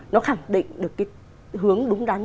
nó khẳng định được cái hướng đúng đắn